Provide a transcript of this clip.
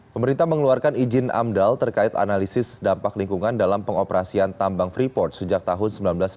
pemerintah mengeluarkan izin amdal terkait analisis dampak lingkungan dalam pengoperasian tambang freeport sejak tahun seribu sembilan ratus sembilan puluh